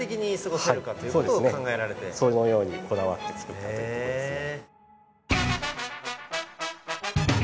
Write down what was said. そのようにこだわって作ったというとこですね。